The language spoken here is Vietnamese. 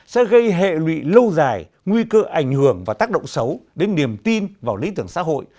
sẽ gây hệ lụy lâu dài nguy cơ ảnh hưởng và tác động xấu đến niềm tin vào lý tưởng xã hội